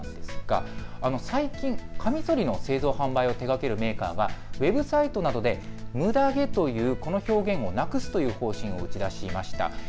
最近かみそりの製造販売を手がけるメーカーがウェブサイトなどでむだ毛というこの表現をなくすという方針を打ち出しました。